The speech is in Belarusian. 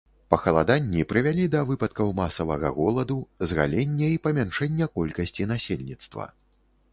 Пахаладанні прывялі да выпадкаў масавага голаду, згалення і памяншэння колькасці насельніцтва.